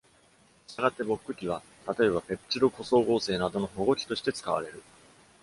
したがって、Boc 基は例えばペプチド固相合成などの保護基として使われる。